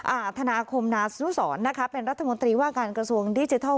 อาธนาคมนาสนุสรนะคะเป็นรัฐมนตรีว่าการกระทรวงดิจิทัล